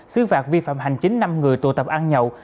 xứ phạt vi phạm hành chính năm người tụ tập ăn nhậu